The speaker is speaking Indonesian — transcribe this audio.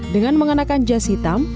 dengan mengenakan jas hitam